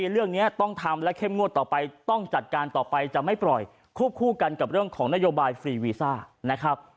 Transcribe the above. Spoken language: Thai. เรื่องนี้ต้องทำและเข้มงวดต่อไปต้องจัดการต่อไปจะไม่ปล่อยควบคู่กันกับเรื่องของนโยบายฟรีวีซ่านะครับ